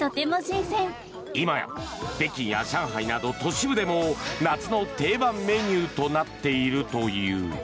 今や北京や上海など都市部でも夏の定番メニューとなっているという。